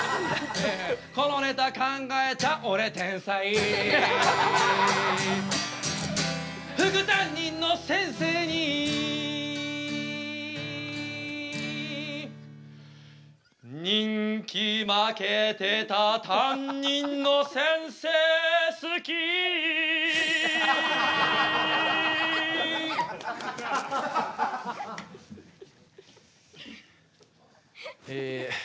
このネタ考えた俺天才副担任の先生に人気負けてた担任の先生好きえ